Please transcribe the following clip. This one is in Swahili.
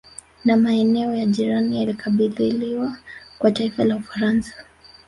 Na maeneo ya jirani yalikabidhiwa kwa taifa la Ufaransa